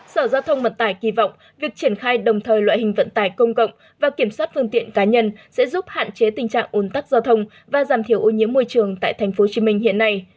sở giao thông vận tải kỳ vọng việc triển khai đồng thời loại hình vận tải công cộng và kiểm soát phương tiện cá nhân sẽ giúp hạn chế tình trạng ồn tắc giao thông và giảm thiểu ô nhiễm môi trường tại tp hcm hiện nay